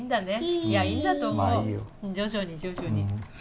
いいんだと思う、徐々に徐々に。